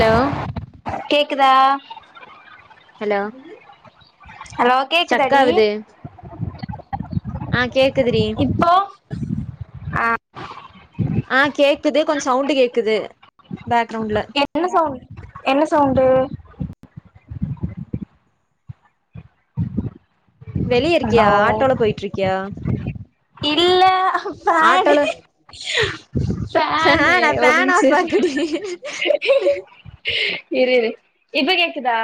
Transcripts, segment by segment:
hello கேக்குதா hello hello கேக்குதா stuck டி ஆகுது ஆ கேக்குதுறீ இப்போ ஆ ஆ கேக்குது கொஞ்ச சவுண்டு கேக்குது பேக்ரவுண்ட்ல என்ன சவுண்ட் என்ன சவுண்டு வெளிய ஹலோ இருக்கியா ஆட்டோல போயிட்ருக்கியா இல்ல பாணு ஆட்டோல ஆ ஃபெனு நா ஒரு ஃபேன் நிமிஷோ ஆஃப் இரு ஆக்குடி இரு இரு இப்ப கேக்குதா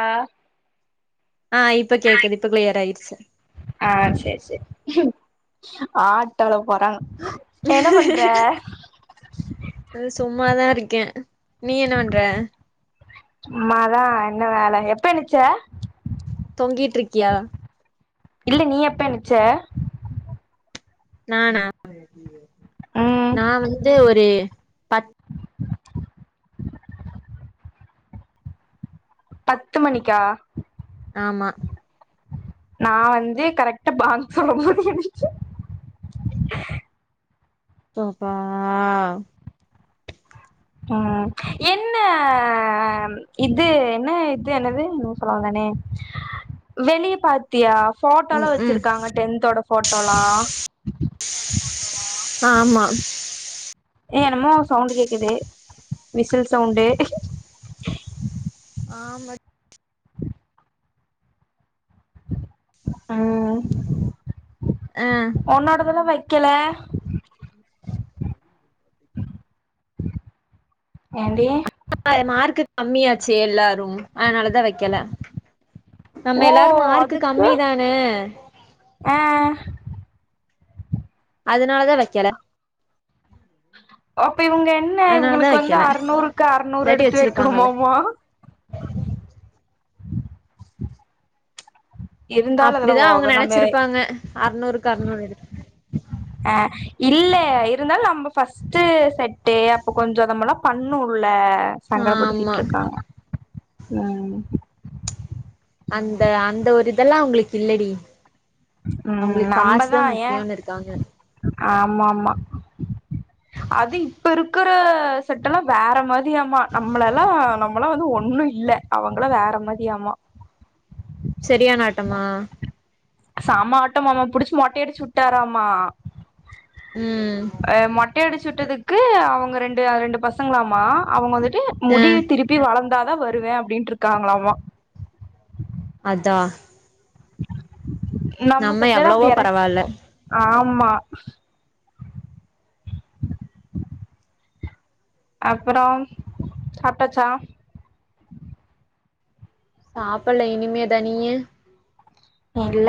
ஆ இப்ப கேக்குது இப்ப கிளியராயிடுச்ச ஆ செரி செரி ஆட்டோல போறாங்க என்ன பண்ற அது சும்மாதா இருக்கே நீ என்ன பண்ற சும்மாதா என்ன வேல எப்ப எந்திச்ச தொங்கிட்டுருக்கியா இல்ல நீ எப்ப எந்திச்ச நானா ம் நா வந்து ஒரு பத் பத்து மணிக்கா ஆமா நா வந்து கரெக்டா பாங்கு போட போது வந்து தோ பாவ் என்ன இது என்ன இது என்னது என்னமோ சொல்ல வந்தனே வெளிய பாத்தியா போட்டோலா ம் ம் வச்சிருக்காங்க டென்தோட போட்டோலா ஆமா ஏ என்னமோ ஒரு சவுண்டு கேக்குது விசில் சவுண்டு ஆமடி ம் ஆ ஒன்னோடதல்லா வக்கல ஏண்டி அ மார்க்கு கம்மியாச்சு எல்லாரு அதனாலதா வக்கல நம்ம ஓ எல்லாரு மார்க்கு அதுக்கு கம்மி தான ஆ அதனாலதா வக்கல அப்ப இவங்க என்ன அதனாலதா இவங்களுக்கு வந்து வைக்கல அறநூறுக்கு அறநூறு இல்லாட்டி எடுத்து வச்சிருப்பாங்கல்ல வக்கணுமாமா இருந்தாலு அதெல்லா அப்டிதா அவங்க ஓவர் நம்ம நெனைச்சிருப்பாங்க அறநூறுக்கு அறநூறு எடு அ இல்ல இருந்தாலு நாம்ப ஃபஸ்ட்டு செட்டு அப்ப கொஞ்சோ நம்மள்ளா பண்ணு உள்ள ஆமா சங்கடப்படுத்திட்ருக்காங்க உம் அந்த அந்த ஒரு இதெல்லா அவங்களுக் இல்லடி அவங்களுக்கு காசு தா முக்கியன்னு இருக்காங்க ஆம்மாம்மா அது இப்ப இருக்குற செட்டல்லா வேற மாதியாமா நம்மளெல்லா நம்மலா வந்து ஒன்னு இல்ல அவங்களா வேற மாதியாமா சரியான ஆட்டமா செம ஆட்டமாமா புடிச்சு மொட்டையடிச்சுட்டாராமா ம் மொட்டை அடிச்சு விட்டதுக்கு அவங்க ரெண்டு ரெண்டு பசங்களாமா அவங்க வந்துட்டு ஆ முடிய திருப் டி வளந்தாதா வருவே அப்டின்ட்டு இருக்காங்கலாமா அதா நம்ம செட்லெல்லா எவ்வளவோ அப்டி யாராச் பரவால்ல ஆம்மா அப்பறோம் சாப்ட்டாச்சா சாப்பட்ல இனிமேதா நீயி இல்ல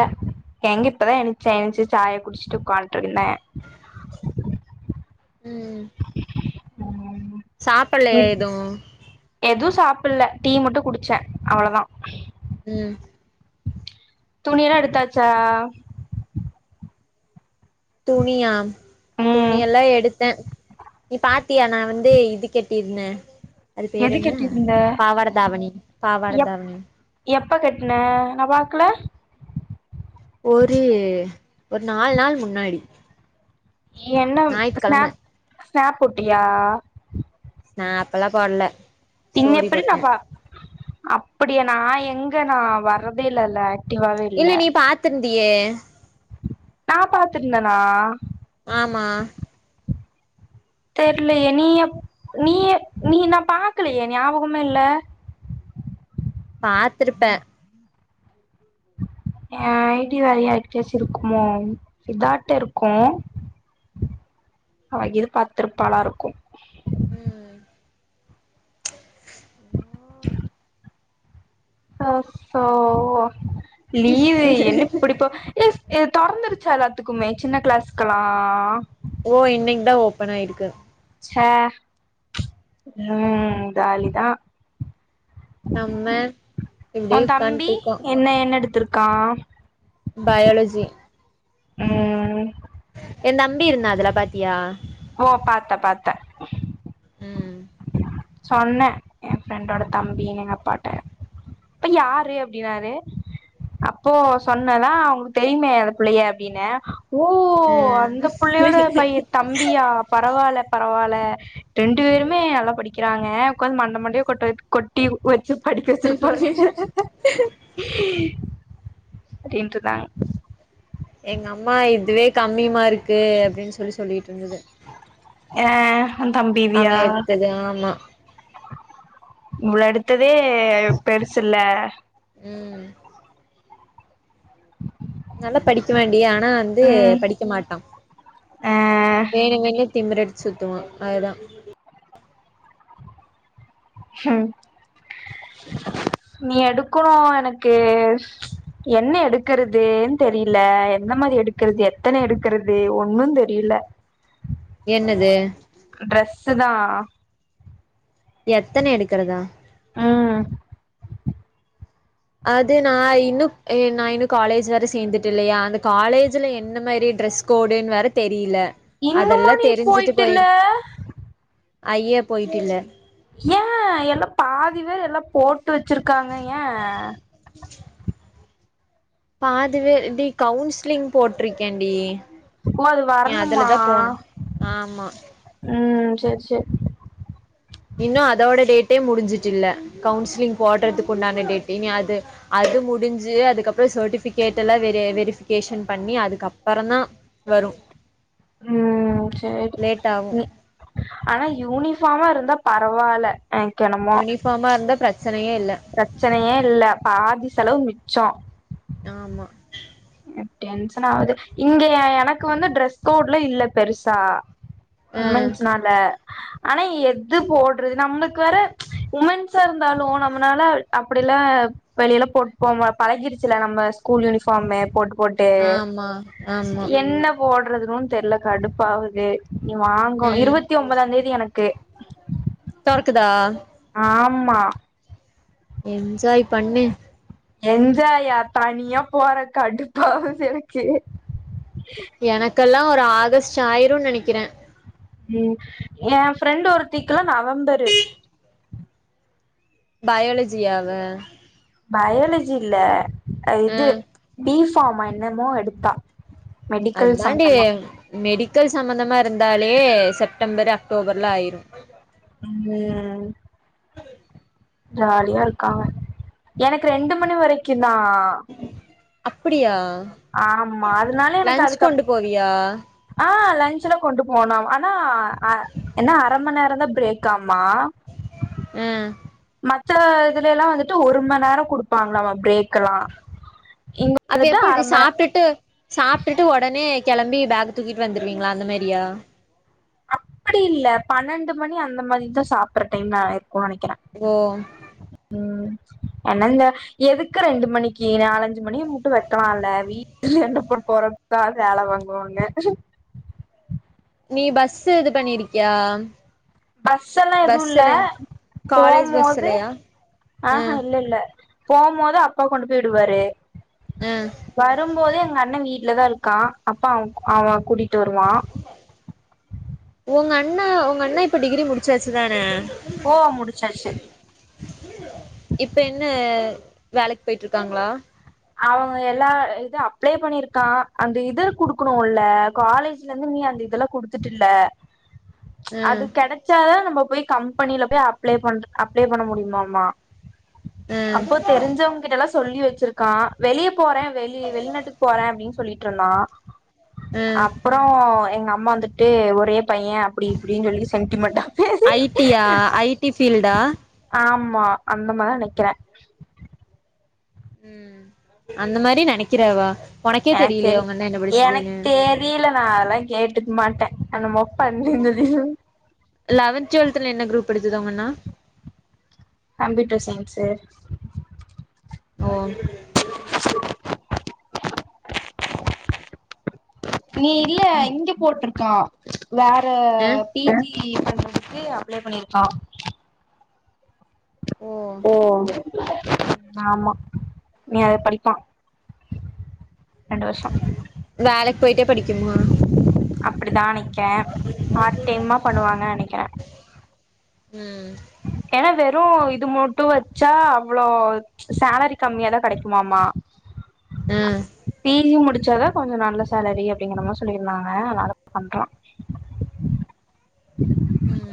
எங்க இப்பதா எந்ச்சே எந்ச்சி சாயா குடிச்சிட்டு உக்காண்ட்டு இருந்த உம் ஆமா சாப்பலலயா எது எது சாப்பிட்ல டீ மட்டு குடிச்ச அவ்ளதா ம் துணிலா எடுத்தாச்சா துணியா துணி ம் எல்லா எடுத்தே நீ பாத்தியா நா வந்து இது கேட் தின்னே அது பேரு எது என்ன கட்டிருந்த பாவாட தாவணி பாவாட எப் தாவணி எப்ப கட்ன நா பாக்ல ஒரு ஒரு நால் நாள் முன்னாடி என்னம் ஞாயித்துக்கெழம ஸ்னாப் ஸ்னாப் போட்டியா நா அப்பல்லா போட்ல பின்ன எப்டி நா பா அப்படிய நா எங்க நா வர்ரதே இல்லல்ல இல்ல நீ பாத்திருந்தியே நா பாத்துருந்தனா ஆமா தெர்லயே நீ எப் நீ நீ நான் பாக்கலியே ஞாபகமே இல்ல பாத்துருப்ப என் ஐ டி வேற யார்க்கிட்டயாச்சும் இருக்குமோ ரிபாட்ட இருக்கூ அவ இது பாத்திருப்பாளா இருக்கூ ம் அச்சோ லீவு என்ன இப்பிடிப் போ எ ஸ் தொறந்திருச்சா எல்லாத்துக்குமே சின்ன கிளாஸ்க்குல்லாம் ஓ இன்னக் தா ஓப்பன் ஆயிருக்கு சே ம் ஜாலி தா நம்ம இப்டியே ஒன் தம்பி உக்கான்ட்ருக்கோ என்ன என்ன எடுத்திருக்கா பயாலஜி ம் எந் தம்பி இருந்தான் அதுல பாத்தியா ஓ பாத்த பாத்த ம் சொன்னே என் ஃப்ரெண்டோட தம்பின்னு எங்க அப்பாட்ட ப்ப யாரு அப்பிடின்னாரு அப்போ சொன்னேனா உங்களுக்கு தெரியுமே அந்த பிள்ளைய அப்பிடின்னேன் ஓ அந்த ம் பிள்ளையோட பைய தம்பியா பரவால்ல பரவால்ல ரெண்டு பேருமே நல்லா படிக்கிறாங்க உக்காந்து மண்ட மண்டய கொட்ட வப் கொட்டி வெச்சு படிக்க வச்சிருப்பாளுங்க அப்பிடின்ருந்தாங்க எங்க அம்மா இதுவே கம்மி மார்க்கு அப்பிடின்னு சொல்லி சொல்லிட்டு இருந்தது ஏ ஒன் அவ தம்பிவியா எடுத்தது ஆமா இ்வ்ள எடுத்ததே பெருசுல்ல ம் நல்லா படிக்குவான்டி ஆனா வந்து ம் படிக்க மாட்டா ஆ வேணுமுன்னே திமுரடிச்சு சுத்துவான் அது தான் ம் நீ எடுக்குணு எனக்கு என்ன எடுக்கறதூன் தெரியில எந்த மாரி எடுக்கறது எத்தன எடுக்கறது ஒன்னுந் தெரியில என்னது ட்ரெஸ்ஸு தா எத்தன எடுக்கறதா ம் அது நா இன்னு எ நா இன்னு காலேஜ் வேற சேந்துட்டே இல்லையா அந்த காலேஜ்ல என்ன மாரி ட்ரெஸ் கோடுன் வேற தெரியில இன்னுமா அதெல்லா நீ தெரிஞ்சிட்டு போயிட்டுல்ல போயெடுக் ஐயே போயட்டுல்ல ஏன் எல்லாம் பாதி வேர் எல்லாம் போட்டு வச்சிருக்காங்க ஏன் பாதி வே டி கவுன்சிலிங் போட்டிருக்கேன்டி ஓ அது ஏ வரணுமா அதுலதான் போனும் ஆமா ம் செர் செர் இன்னு அதோட டேட்டே முடிஞ்சுட்டு இல்ல கவுன்சிலிங் போடுறதுக்கு உண்டான டேட்டு இனி அது அது முடிஞ்சு அதுக்கப்பறோ சேர்ட்டிஃபிகேட் எல்லா வெரி வெரிஃபிகேஷன் பண்ணி அதுக்கப்பறந் தா வரு ம் சேரி லேட் ஆகு ம் ஆனா யூனிஃபார்மா இருந்தா பரவால்ல எனக்கென்னமோ பார்மா இருந்தா பிரச்சனயே இல்ல பிரச்சனையே இல்ல பாதி செலவு மிச்சோ ஆமா டென்சன் ஆகுது இங்க எனக்கு வந்து டிரரெஸ் கோட்ல இல்ல பெருசா ம் உமன்ஸ்னால ஆனா எது போட்றது நம்மக்கு வேற உமென்ஸா இருந்தாலு நம்மனால அப்படிலா வெளியலா போட் போம பழகிருச்சுல நம்ம ஸ்கூல் யூனிஃபாமு போட்டு ஆமா ஆமா என்னப் போட்றதுன்னு தெர்ல கடுப்பாவுது நீ வாங்கணு ம் இருவத்தி ஒம்போதாந்தேதி எனக்கு தொறக்குதா ஆம்மா என்ஜாய் பண்ணு என்ஜாயா தனியா போற கடுப்பாகுது எனக்கு எனக்கெல்லா ஒரு ஆகஸ்ட் ஆயிரு நெனைக்கிறே ம் ஏ ஃப்ரெண்ட் ஒருத்தீக்குலா நவம்பரு பயோலஜியவ பயாலஜி இல்ல ஆ இது பி ஃபார்மா என்னமோ எடுத்தா மெடிக்கல் அதாண்டி சம்பந்தமா மெடிக்கல் சமந்தமா இருந்தாலே செப்டம்பர் அக்டோபர்ல ஆயிரு ம் அ ஜாலியா இருக்காவ எனக்கு ரெண்டு மணி வரைக்கு தா அப்பிடியா ஆம்மா அதுனால எனக்கு அதுக்கப் போவியா ஆ லன்ச்செல்லா கொண்டு போனோ ஆனா அ என்ன அரமண் நேர தா பிரேக்காமா ம் மத்த இதுல எல்லா வந்துட்டு ஒருமணநேரோ குடுப்பாங்களாமா பிரேக்ல்லா அப்ப எப்படி சாப்ட்டுட்டு சாப்ட்டுட்டு ஒடனே கெளம்பி பேக் தூக்கிட்டு வந்துருவீங்களா அந்த மாரியா அப்படி இல்ல பனண்டு மணி அந்த மாரிதா சாப்பற டைம் நா இருக்கூ நனைக்கிற ஓ ம் அனந்த எதுக்கு ரெண்டு மணிக்கி நாலஞ்சு மணி முட்டு வெட்டலால வீட்ல என்ன போட் போற தா வேல வாங்குவாங்க நீ பஸ் இது பண்ணிருக்கியா பஸ்ஸெல்லா எதுவு இல்ல பஸ்ஸுல காலேஜ் போமோது பஸ்ஸுலயா ஆ ஆஹா இல்ல இல்ல போம்போது அப்பா கொண்டு போயி வுடுவாரு ஆ வரும்போது எங்க அண வீட்லதா இருக்கா அப்பா அவங் அவ கூட்டிட்டு வருவா உங்க அண்ணே உங்க அண்ணே இப்ப டிகிரி முடிச்சாச்சு தான ஓ முடிச்சாச்சு இப்ப என்ன வேலைக்கு போயிட்ருக்காங்களா அவங்க எல்லா இது அப்ளே பண்ணிருக்கா அந்த இது குடுக்கணுல காலேஜ்ல இருந்து நீ அந்த இதுல குடுத்துட்டுல ஆ அது கெடைச்சாதா நம்ம போய் கம்பெனில போய் அப்ளை பண் அப்ளே பண்ண முடியுமாமா ஆ அப்போ தெரிஞ்சவ கிட்டல்லா சொல்லி வச்சிருக்கா வெளிய போற வெளி வெளிநாட்டுக்கு போற அப்டின் சொல்லிட்ருந்தா ஆ அப்றோ எங்க அம்மா வந்துட்டு ஒரே பைய அப்டி இப்டின் சொல்லி சென்டிமெண்டா பேசி ஐ டி யா ஐ டி ஃபீல்டா ஆமா அந்த மாரி நிக்கிறே ம் அந்த மாரி நெனைக்கிறவா உனக்கே தெரியலையா உங்க அண்ண என்ன படிச்சிதுன்னு தீல நா அதெல்லா கேட்டுக்க மாட்ட என்னோமோ பன்னி இந்துது லவென்த் டுவல்த்துல என்ன குரூப் எடுத்ததா உங்க அண்ணா கம்ப்யூட்டர் சயின்ஸ்ஸு ஓ நீ இல்ல இங்க போட்ருக்கா வேற அ பி ஜி பண்றதுக்கு அப்ளை பண்ணிருக்கா ஓ ஆமா நீ அதை படிப்பான் வேலைக்கு போய்ட்டே படிக்கணுமா அப்டிதா நிக்கே பார்ட் டைம்மா பண்ணுவாங்க நெனைக்கிறே ம் ஏனா வெறு இது மொட்டு வெச்சா அவ்ளோ சேலரி கம்மியாதான் கிடைக்குமாமா அ பி ஜி முடிச்சாதான் கொஞ்சம் நல்ல சேலரி அப்படிங்கறத சொல்லிருந்தாங்க அதனால பண்றான் ம்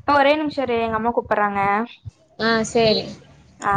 அக்கா ஒரே நிம்ஷ இரு எங்க அம்மா கூப்புட்றாங்க அ சேரி அ